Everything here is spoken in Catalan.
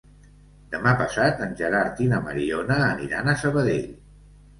Demà passat en Gerard i na Mariona aniran a Sabadell.